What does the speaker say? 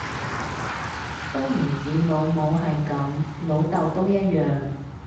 都唔止老母係噉，老竇都一樣